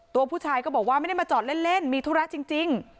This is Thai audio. ตัวผู้ชายก็บอกว่าไม่ได้มาจอดเล่นมีธุระจริง